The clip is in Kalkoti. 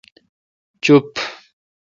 چوپ۔